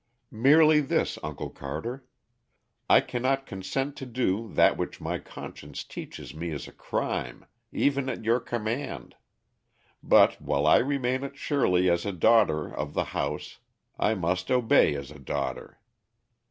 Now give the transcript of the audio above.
"Merely this, Uncle Carter. I cannot consent to do that which my conscience teaches me is a crime, even at your command; but while I remain at Shirley as a daughter of the house I must obey as a daughter.